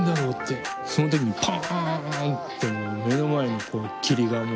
その時にパンてもう目の前の霧がもう。